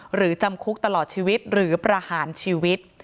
หรือจำคุกตลอดชีวิตหรือประหารชีวิต